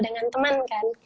dengan teman kan